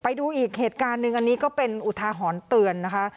ไปดูอีกเหตุการณ์หนึ่งอันนี้ก็เป็นอุทาหรณ์เตือนนะคะ